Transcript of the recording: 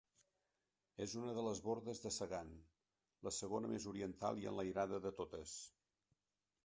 És una de les Bordes de Segan, la segona més oriental i enlairada de totes.